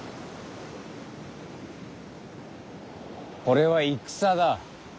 これは戦だ。